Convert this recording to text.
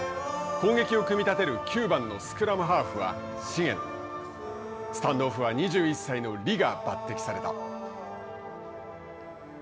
攻撃を組み立てる９番のスクラムハーフは茂野スタンドオフは２１歳のリが抜てきされた。